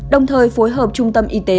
đồng thời phối hợp trung tâm y tế